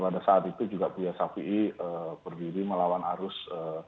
pada saat itu juga buya shafi'i berdiri melawan arus